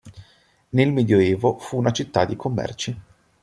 Nel Medioevo fu una città di commerci.